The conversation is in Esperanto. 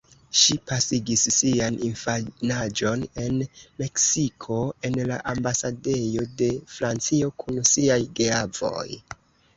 Ŝi pasigis sian infanaĝon en Meksiko en la ambasadejo de Francio kun siaj geavoj.